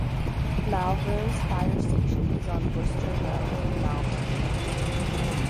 Malvern's fire station is on Worcester Road in Malvern Link.